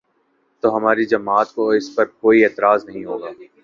تو ہماری جماعت کو اس پر کوئی اعتراض نہیں ہو گا۔